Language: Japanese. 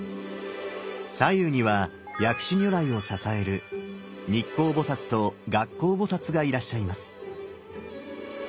左右には薬師如来を支える日光菩と月光菩がいらっしゃいます。